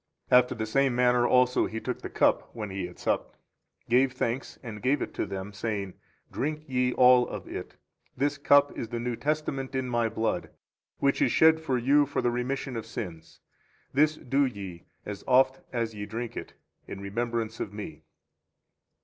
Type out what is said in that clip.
After the same manner also He took the cup, when He had supped, gave thanks, and gave it to them, saying, Drink ye all of it; this cup is the new testament in My blood, which is shed for you for the remission of sins: this do ye, as oft as ye drink it, in remembrance of Me.